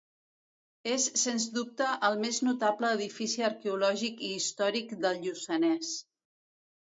És sens dubte el més notable edifici arqueològic i històric del Lluçanès.